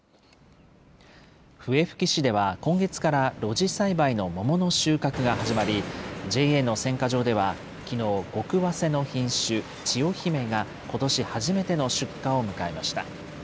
笛吹市では、今月から露地栽培の桃の収穫が始まり、ＪＡの選果場ではきのう、ごくわせの品種、ちよひめが、ことし初めての出荷を迎えました。